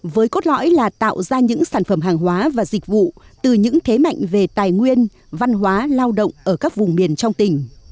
với cốt lõi là tạo ra những sản phẩm hàng hóa và dịch vụ từ những thế mạnh về tài nguyên văn hóa lao động ở các vùng miền trong tỉnh